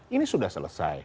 ini sudah selesai